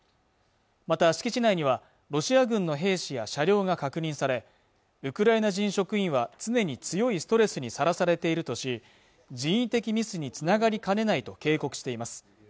また敷地内にはロシア軍の兵士や車両が確認されウクライナ人職員は常に強いストレスにさらされているとし人為的ミスにつながりかねないと警告しています